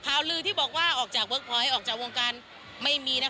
เพราะว่าคุณปัญญาก็มาคุยกับพี่ตุ๊กกี้ว่าเราอยากให้โอกาสลองเด็กใหม่มามีบทบาท